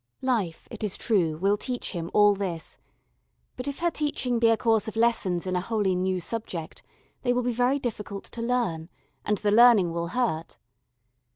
Life, it is true, will teach him all this, but if her teaching be a course of lessons in a wholly new subject, they will be very difficult to learn, and the learning will hurt.